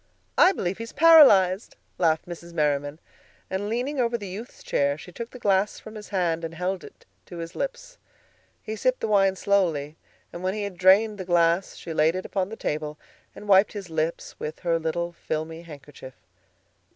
"I believe he's paralyzed," laughed Mrs. Merriman. And leaning over the youth's chair, she took the glass from his hand and held it to his lips. He sipped the wine slowly, and when he had drained the glass she laid it upon the table and wiped his lips with her little filmy handkerchief.